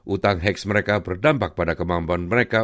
utang heax mereka berdampak pada kemampuan mereka